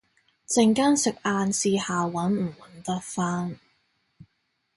陣間食晏試下搵唔搵得返